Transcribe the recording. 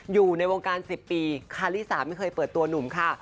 อยู่ในวงการ๑๐ปีคาริสาไม่เคยเปิดตัวหนุ่มค่ะ